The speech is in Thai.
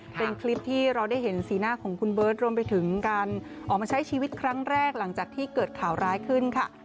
เป็นคลิปที่เราได้เห็นสีหน้าของคุณเบิร์ตรวมไปถึงการออกมาใช้ชีวิตครั้งแรกหลังจากที่เกิดข่าวร้ายขึ้นค่ะ